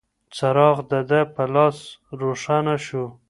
څراغ د ده په لاس روښانه شو.